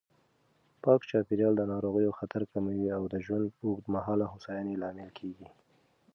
پاک چاپېریال د ناروغیو خطر کموي او د ژوند اوږدمهاله هوساینې لامل کېږي.